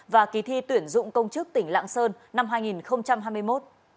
và kỳ thi tuyển dụng công chức tỉnh lạng sơn năm hai nghìn hai mươi một